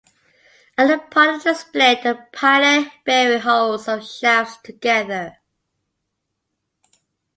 At the point of the split, a pilot bearing holds the shafts together.